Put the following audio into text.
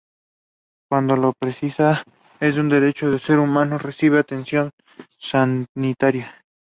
Cuando lo precisa, es un derecho del ser humano recibir atención sanitaria.